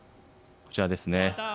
こちらですね。